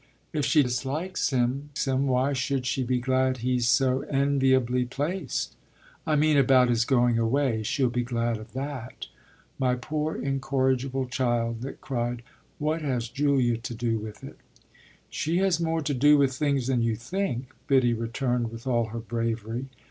"If she dislikes him why should she be glad he's so enviably placed?" "I mean about his going away. She'll be glad of that." "My poor incorrigible child," Nick cried, "what has Julia to do with it?" "She has more to do with things than you think," Biddy returned with all her bravery.